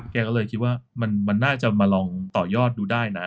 แกก็เลยคิดว่ามันน่าจะมาลองต่อยอดดูได้นะ